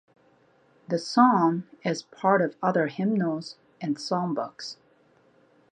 The song is part of other hymnals and songbooks.